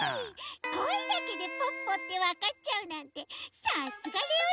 こえだけでポッポってわかっちゃうなんてさすがレオレオえきのおとうさん！